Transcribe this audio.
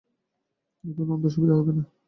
কিন্তু নন্দর সুবিধা হইবে না।